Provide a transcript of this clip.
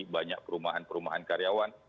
banyak perumahan perumahan karyawan